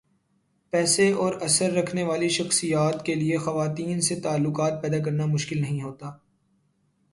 پیسے اور اثر رکھنے والی شخصیات کیلئے خواتین سے تعلقات پیدا کرنا مشکل نہیں ہوتا۔